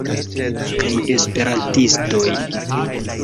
kaj esperantistoj.